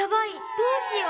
どうしよう。